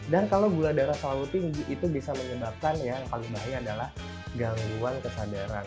dan kalau gula darah terlalu tinggi itu bisa menyebabkan ya yang paling bahaya adalah gangguan kesadaran